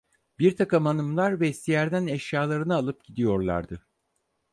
Birtakım hanımlar vestiyerden eşyalarını alıp gidiyorlardı.